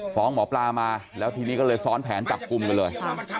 หมอปลามาแล้วทีนี้ก็เลยซ้อนแผนจับกลุ่มกันเลย